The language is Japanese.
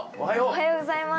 おはようございます。